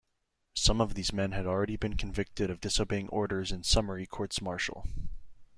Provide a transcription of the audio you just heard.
Some of these men had already been convicted of disobeying orders in summary courts-martial.